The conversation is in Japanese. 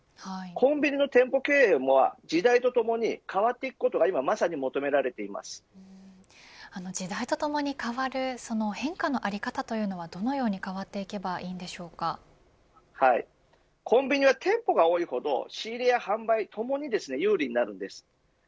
コンビニの店舗経営は時代とともに変わっていくことが時代とともに変わるその変化の在り方というのはどのように変わっていけばコンビニは店舗が多いほど仕入れや販売ともに有利になります。